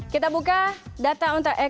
kita buka data ontologi